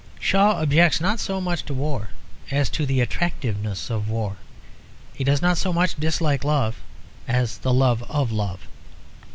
Shaw objects not so much to war as to the attractiveness of war. He does not so much dislike love as the love of love.